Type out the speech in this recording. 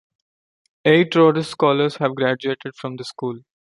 Eight Rhodes Scholars have graduated from the school.